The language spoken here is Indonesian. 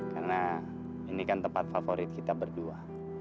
karena ini kan tempat favorit kita berdua